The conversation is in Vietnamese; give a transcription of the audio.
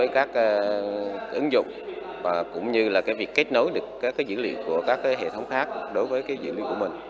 cũng như là việc kết nối được các dữ liệu của các hệ thống khác đối với dữ liệu của mình